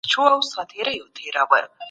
د پيغمبر خبره د ټولو لپاره قانون دی.